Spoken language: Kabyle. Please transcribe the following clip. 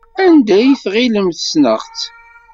Anda ay tɣilemt ssneɣ-tt?